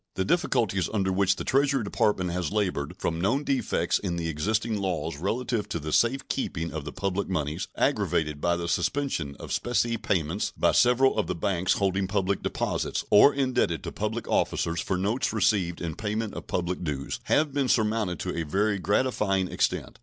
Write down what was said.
The difficulties under which the Treasury Department has labored, from known defects in the existing laws relative to the safe keeping of the public moneys, aggravated by the suspension of specie payments by several of the banks holding public deposits or indebted to public officers for notes received in payment of public dues, have been surmounted to a very gratifying extent.